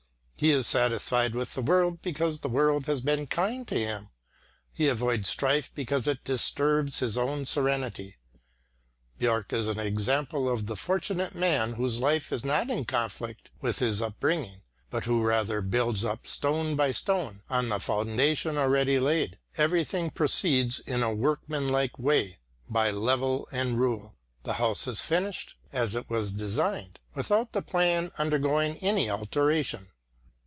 He is satisfied with the world because the world has been kind to him; he avoids strife because it disturbs his own serenity. Björck is an example of the fortunate man whose life is not in conflict with his upbringing, but who rather builds up stone by stone, on the foundation already laid; everything proceeds in a workmanlike way by level and rule; the house is finished, as it was designed, without the plan undergoing any alteration.